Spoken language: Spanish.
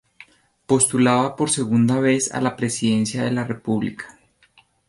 Postulaba por segunda vez a la presidencia de la república.